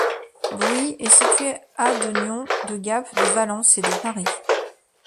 Bruis est situé à de Nyons, de Gap, de Valence et de Paris.